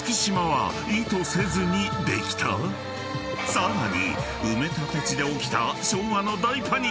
［さらに］